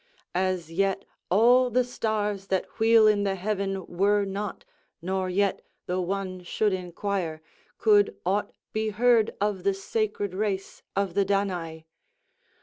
As yet all the stars that wheel in the heaven were not, nor yet, though one should inquire, could aught be heard of the sacred race of the Danai.